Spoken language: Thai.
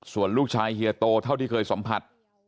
ส่วนลูกชายเฮียโตเท่าที่เคยสัมผัส